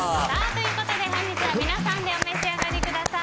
本日は皆さんでお召し上がりください。